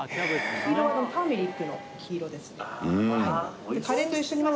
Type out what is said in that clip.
黄色はターメリックの黄色ですね